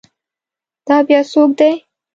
دا بیا څوک دی؟